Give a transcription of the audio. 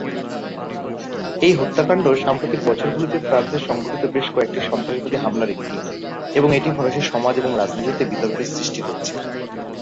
এই হত্যাকাণ্ড সাম্প্রতিক বছরগুলিতে ফ্রান্সে সংঘটিত বেশ কয়েকটি সন্ত্রাসবাদী হামলার একটি, এবং এটি ফরাসি সমাজ এবং রাজনীতিতে বিতর্কের সৃষ্টি করেছে।